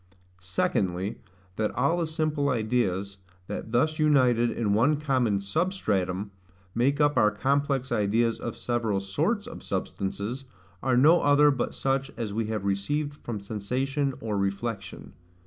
Secondly, That all the simple ideas, that thus united in one common SUBSTRATUM, make up our complex ideas of several SORTS of substances, are no other but such as we have received from sensation or reflection.